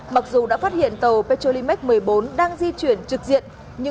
mặc dù đã phát hiện tàu petrolimax một mươi bốn đang di chuyển trực diện nhưng